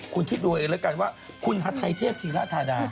คุณทิศดูเองแล้วกันว่าคุณไทเทพธีรฐาดา